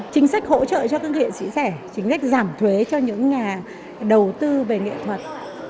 chính sách hỗ trợ cho các doanh nghiệp sĩ sẻ chính sách giảm thuế cho những nhà đầu tư về nghệ thuật